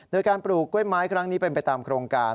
โดยการปลูกกล้วยไม้ครั้งนี้เป็นไปตามโครงการ